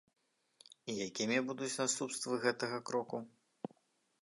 І якімі будуць наступствы гэтага кроку?